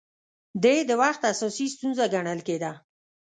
دې د وخت اساسي ستونزه ګڼل کېده